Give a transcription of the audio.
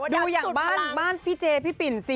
ดูอย่างบ้านบ้านพี่เจพี่ปิ่นสิ